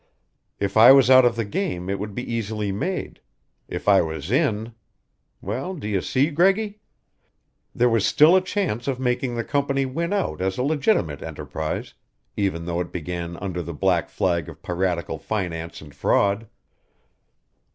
If I was out of the game it would be easily made. If I was in well, do you see, Greggy? There was still a chance of making the company win out as a legitimate enterprise, even though it began under the black flag of piratical finance and fraud.